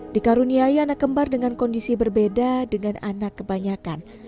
dikaruniai anak kembar dengan kondisi berbeda dengan anak kebanyakan